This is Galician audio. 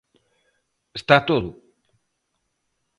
¿Está todo?